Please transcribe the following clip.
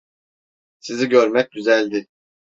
Sizi görmek güzeldi.